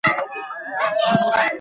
د اسلامي دولت وګړي مستامنین يي.